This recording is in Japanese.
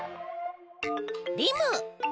リム。